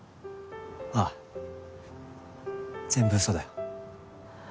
ああ全部嘘だよ。